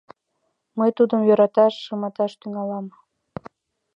Мый тудым йӧраташ, шыматаш тӱҥалам.